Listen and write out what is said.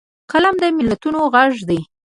قلم د ملتونو غږ دی